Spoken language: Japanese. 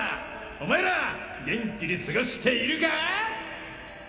お前ら元気に過ごしているか？